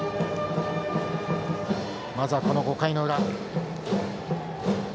まずはこの５回の裏。